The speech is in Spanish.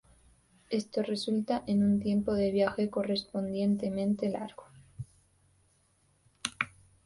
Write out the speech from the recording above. Esto resulta en un tiempo de viaje correspondientemente largo.